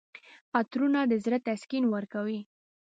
عطرونه د زړه تسکین ورکوي.